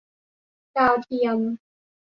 ดาวเทียม